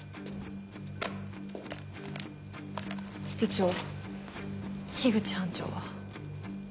室長口班長は？